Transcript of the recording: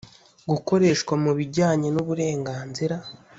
gukoreshwa mu bijyanye n uburenganzira